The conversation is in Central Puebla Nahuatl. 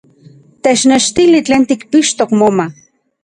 ¡Technechtili tlen tikpixtok moma!